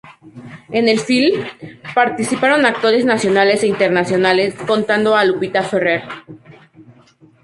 En el filme participaron actores nacionales e internacionales, contando a Lupita Ferrer.